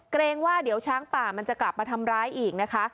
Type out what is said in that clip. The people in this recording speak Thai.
เกรงว่าเดี๋ยวช้างป่ามันจะกลับมาทำร้ายอีกนะคะ